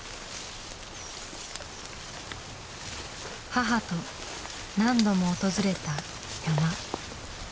母と何度も訪れた山。